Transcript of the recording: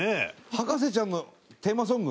『博士ちゃん』のテーマソング？